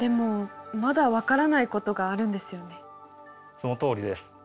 そのとおりです。